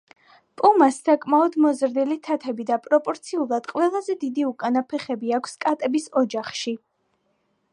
პუმას საკმაოდ მოზრდილი თათები და პროპორციულად ყველაზე დიდი უკანა ფეხები აქვს კატების ოჯახში.